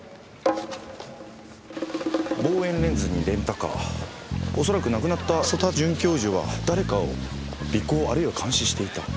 望遠レンズにレンタカー恐らく亡くなった曽田准教授は誰かを尾行あるいは監視していた。